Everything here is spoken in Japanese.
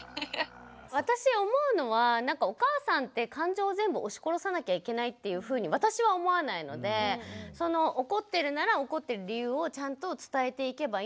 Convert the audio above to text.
私思うのはお母さんって感情を全部押し殺さなきゃいけないっていうふうに私は思わないので怒ってるなら怒ってる理由をちゃんと伝えていけばいいのかな。